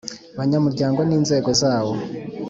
banyamuryango n inzego zawo